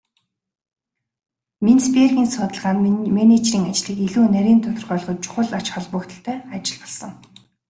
Менцбергийн судалгаа нь менежерийн ажлыг илүү нарийн тодорхойлоход чухал ач холбогдолтой ажил болсон.